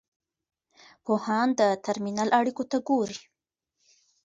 پوهان د ترمینل اړیکو ته ګوري.